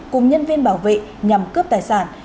cùng nhân viên bảo vệ nhằm cướp tài sản